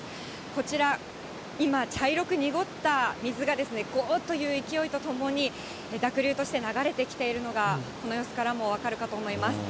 こちら、今、茶色く濁った水が、ごーっという勢いとともに濁流として流れてきているのが、この様子からも分かるかと思います。